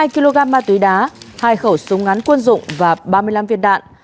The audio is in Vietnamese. hai kg ma túy đá hai khẩu súng ngắn quân dụng và ba mươi năm viên đạn